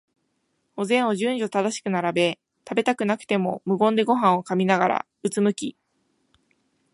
お膳を順序正しく並べ、食べたくなくても無言でごはんを噛みながら、うつむき、